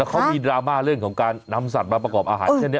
เขามีดราม่าเรื่องของการนำสัตว์มาประกอบอาหารเช่นนี้